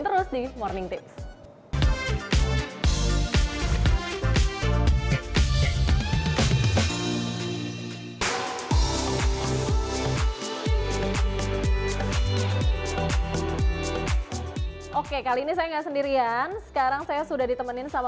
terus di morning tips oke kali ini saya nggak sendirian sekarang saya sudah ditemenin sama